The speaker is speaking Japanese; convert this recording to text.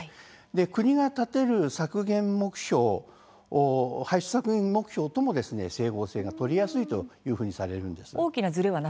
国が立てる排出削減目標とも整合性を取りやすいというふうにされています。